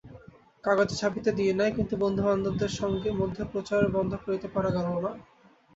কাগজে ছাপিতে দিই নাই, কিন্তু বন্ধুবান্ধবদের মধ্যে প্রচার বন্ধ করিতে পারা গেল না।